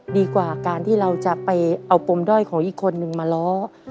ดีกว่าการที่เราจะไปเอาปมด้อยของอีกคนนึงมาล้อ